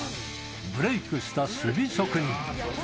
ブレークした守備職人。